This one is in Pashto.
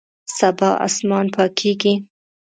سبا اسمان پاکیږي